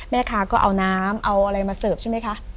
แม่ค้าก็เอาน้ำเอาอะไรมาเสิร์ฟใช่ไหมคะ